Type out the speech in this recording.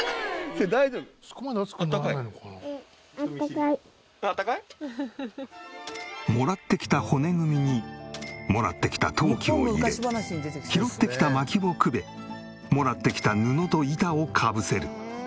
あったかい？もらってきた骨組みにもらってきた陶器を入れ拾ってきた薪をくべもらってきた布と板をかぶせる。